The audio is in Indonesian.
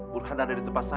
burhan ada di tempat saya bu